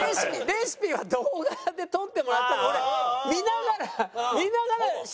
レシピは動画で撮ってもらったのを俺見ながら見ながら真剣に握りましたから。